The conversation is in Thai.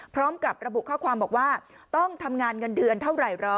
พร้อมกับระบุข้อความบอกว่าต้องทำงานเงินเดือนเท่าไหร่เหรอ